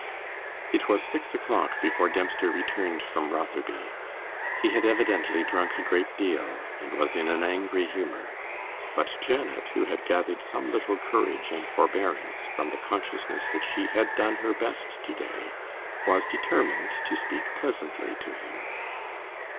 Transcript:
It was six o'clock before Dempster returned from Rotherby. He had evidently drunk a great deal, and was in an angry humour; but Janet, who had gathered some little courage and forbearance from the consciousness that she had done her best to day, was determined to speak pleasantly to him.